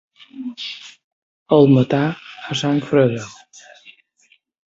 El matà a sang freda.